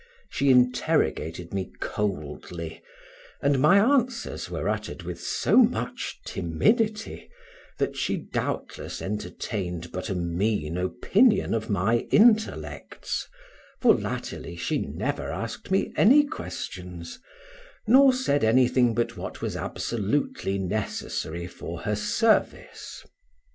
She interrogated me coldly, and my answers were uttered with so much timidity, that she doubtless entertained but a mean opinion of my intellects, for latterly she never asked me any questions, nor said anything but what was absolutely necessary for her service.